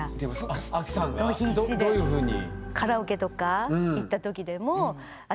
どういうふうに？